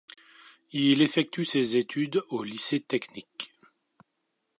Il effectue ses études au lycée technique.